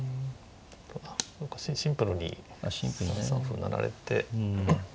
何かシンプルに３三歩成られて。